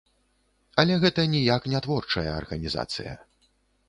Але гэта ніяк не творчая арганізацыя.